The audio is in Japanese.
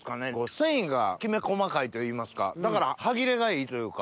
繊維がきめ細かいといいますかだから歯切れがいいというか。